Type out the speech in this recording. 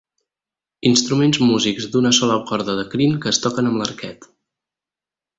Instruments músics d'una sola corda de crin que es toquen amb l'arquet.